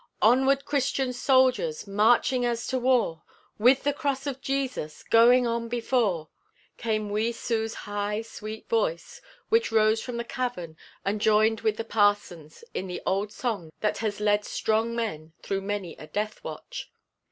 "Onward, Christian soldiers Marching as to war, With the cross of Jesus Going on before " came wee Sue's high, sweet voice which rose from the cavern and joined with the parson's in the old song that has led strong men through many a death watch.